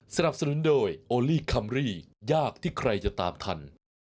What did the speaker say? สนับสนุนโดยโอลี่คัมรี่ยากที่ใครจะตามทัน